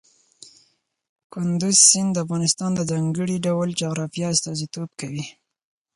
کندز سیند د افغانستان د ځانګړي ډول جغرافیه استازیتوب کوي.